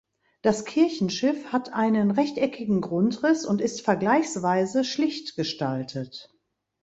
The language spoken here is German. Das Kirchenschiff hat einen rechteckigen Grundriss und ist vergleichsweise schlicht gestaltet.